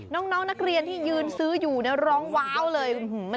น้องนักเรียนที่ยืนซื้ออยู่ร้องว้าวเลย